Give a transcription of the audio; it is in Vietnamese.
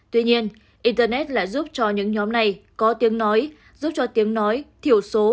tuy nhiên internet lại giúp cho những nhóm này có tiếng nói giúp cho tiếng nói thiểu số